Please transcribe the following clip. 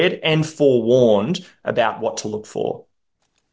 tentang apa yang harus diperhatikan